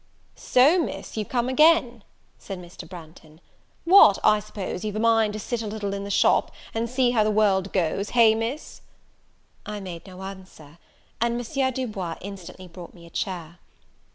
"So, Miss, you've come again," said Mr. Branghton; "what, I suppose you've a mind to sit a little in the shop, and see how the world goes, hey, Miss?" I made no answer; and M. Du Bois instantly brought me a chair.